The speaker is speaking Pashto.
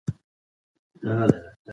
ټولنیز فشار د فرد پرېکړې اغېزمنوي.